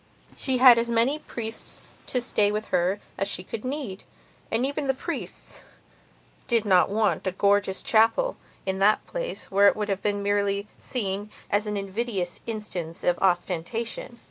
She had as many priests to stay with her as could be neededand even the priests did not want a gorgeous chapel in that place where it would have merely seemed an invidious instance of ostentation.